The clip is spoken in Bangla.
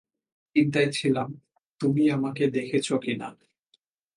চিন্তায় ছিলাম, তুমি আমাকে দেখেছ কিনা।